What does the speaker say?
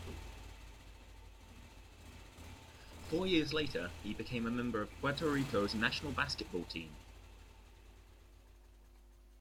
Four years later he became a member of Puerto Rico's national basketball team.